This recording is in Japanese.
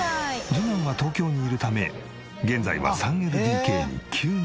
次男は東京にいるため現在は３ＬＤＫに９人で暮らしている。